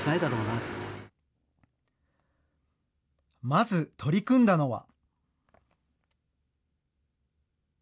まず取り組んだのは。